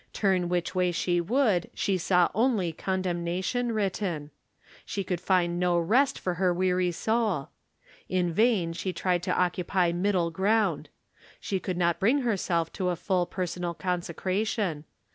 Turn which way she would, she saw only condemnation written. She could find no rest for her weary soul. In vain she tried to oc cupy middle ground. She could not bring her self to a full personal consecration.